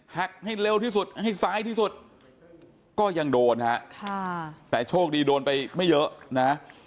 ให้เร็วที่สุดให้ซ้ายที่สุดก็ยังโดนฮะค่ะแต่โชคดีโดนไปไม่เยอะนะ